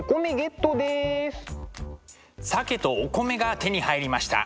鮭とお米が手に入りました。